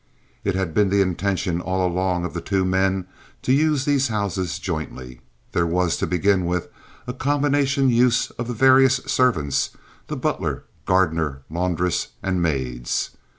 It had been the intention all along of the two men to use these houses jointly. There was, to begin with, a combination use of the various servants, the butler, gardener, laundress, and maids.